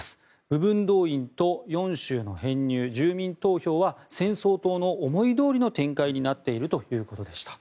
部分動員と４州の編入住民投票は戦争党の思いどおりの展開になっているということでした。